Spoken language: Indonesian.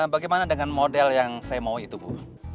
bagaimana dengan model yang saya mau itu bu